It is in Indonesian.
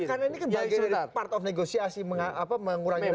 karena ini kan bagian dari part of negosiasi mengurangin residu